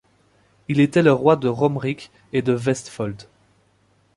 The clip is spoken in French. Il était le roi de Romerike et de Vestfold.